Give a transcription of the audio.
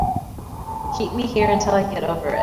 Keep me here until I get over it.